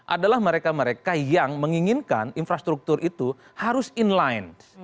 adalah mereka mereka yang menginginkan infrastruktur itu harus inlines